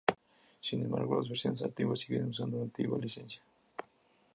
Sin embargo, las versiones antiguas siguen usando la antigua licencia.